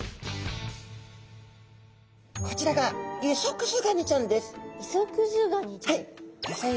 こちらがイソクズガニちゃんです。